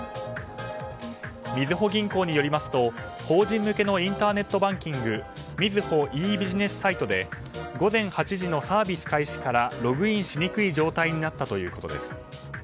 みずほ銀行によりますと法人向けのインターネットバンキングみずほｅービジネスサイトで午前８時のサービス開始からログインしにくい状態になったといいます。